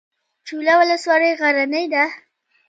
چوره ولسوالۍ غرنۍ ده؟